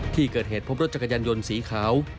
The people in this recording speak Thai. ที่เกิดเหตุพบรถจักรยานยนต์สีขาว